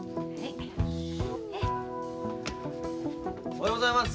おはようございます。